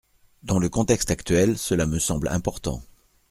Dans le contexte actuel, cela me semble important.